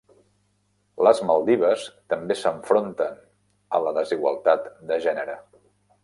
Les Maldives també s'enfronten a la desigualtat de gènere.